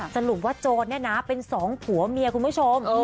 สรุปว่าโจรเนี่ยนะเป็นสองผัวเมียคุณผู้ชม